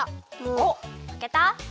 おっかけた？